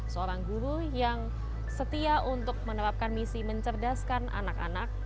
seorang guru yang setia untuk menerapkan misi mencerdaskan anak anak